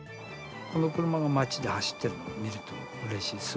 この車が街で走ってるのを見るとうれしい。